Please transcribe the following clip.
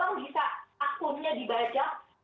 lalu dilakukan perlindungan itu bawa ke polisi